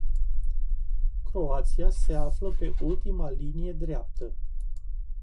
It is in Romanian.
Croația se află pe ultima linie dreaptă.